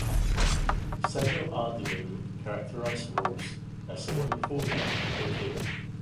Samuel R. Delany characterized "Rose" as a "wonderful and magical tale".